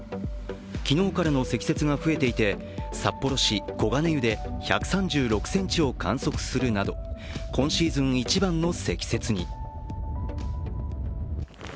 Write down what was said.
昨日からの積雪が増えていて、札幌市小金湯で１３６ｃｍを観測するなど、今シーズン一番の積雪に。